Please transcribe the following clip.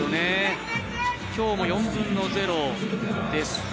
今日も４分の０です。